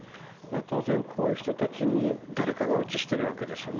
当然こういう人たちに誰かがうつしているわけですよね。